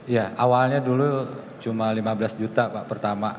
ya awalnya dulu cuma lima belas juta pak pertama